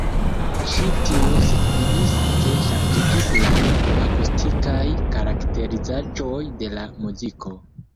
Ĉi tio sekvigis, ke ŝanĝiĝis la akustikaj karakterizaĵoj de la muziko.